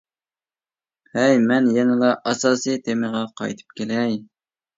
ھەي، مەن يەنىلا ئاساسىي تېمىغا قايتىپ كېلەي.